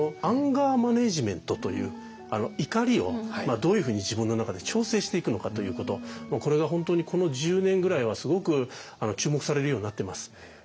アンガーマネジメントという怒りをどういうふうに自分の中で調整していくのかということこれが本当にこの１０年ぐらいはすごく注目されるようになってます。